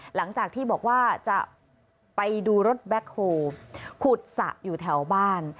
หลังจากที่บอกว่าจะไปดูรถแบ็คโฮลขุดสระอยู่แถวบ้าน